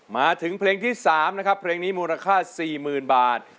มาถึงเพลงที่๓นะครับเพลงนี้มูลค่า๔๐๐๐บาท